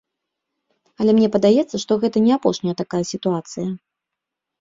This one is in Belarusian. Але мне падаецца, што гэта не апошняя такая сітуацыя.